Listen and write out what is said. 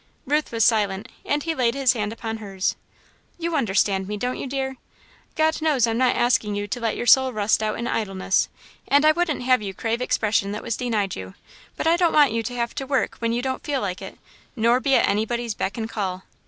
Ruth was silent, and he laid his hand upon hers. "You understand me, don't you, dear? God knows I'm not asking you to let your soul rust out in idleness, and I wouldn't have you crave expression that was denied you, but I don't want you to have to work when you don't feel like it, nor be at anybody's beck and call.